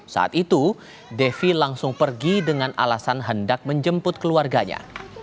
saat itu devi langsung pergi dengan alasan hendak menjemput keluarganya